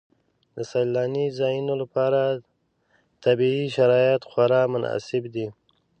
د سیلاني ځایونو لپاره طبیعي شرایط خورا مناسب دي.